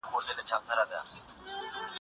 زه دعا کوم.